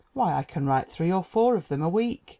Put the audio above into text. "Why, I can write three or four of them a week."